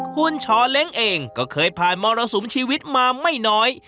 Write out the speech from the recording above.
คุณชอเล้งเองก็เคยผ่านมรสุมชีวิตมาไม่น้อย